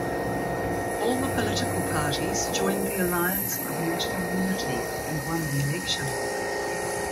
All the Political Parties joined the alliance of national unity and won the election.